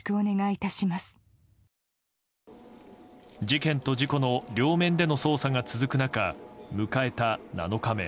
事件と事故の両面での捜査が続く中迎えた７日目。